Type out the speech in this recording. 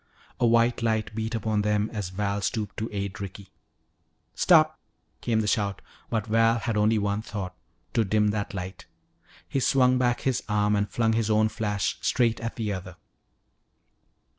A white light beat upon them as Val stooped to aid Ricky. "Stop!" came the shout, but Val had only one thought, to dim that light. He swung back his arm and flung his own flash straight at the other.